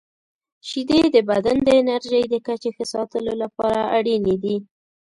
• شیدې د بدن د انرژۍ د کچې ښه ساتلو لپاره اړینې دي.